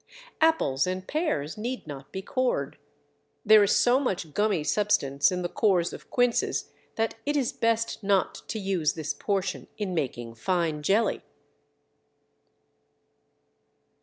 Apples and pears need not be cored. There is so much gummy substance in the cores of quinces that it is best not to use this portion in making fine jelly.